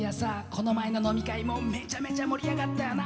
この前の飲み会もめちゃめちゃ盛り上がったよな。